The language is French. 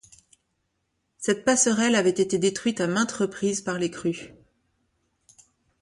Cette passerelle avait été détruite à maintes reprises par les crues.